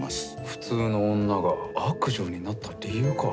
普通の女が悪女になった理由か。